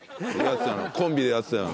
コンビでやってたような。